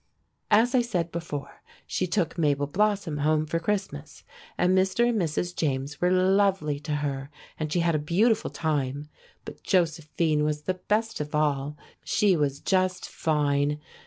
As I said before, she took Mabel Blossom home for Christmas, and Mr. and Mrs. James were lovely to her, and she had a beautiful time. But Josephine was the best of all. She was just fine.